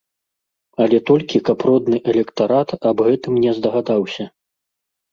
Але толькі каб родны электарат аб гэтым не здагадаўся.